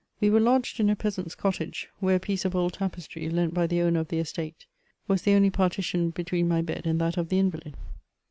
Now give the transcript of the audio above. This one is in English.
We were lodged in a peasanl^s cottage, where a piece of old tapestry, lent by the owner of the estate, was the only partition between my bea and that of the invalid.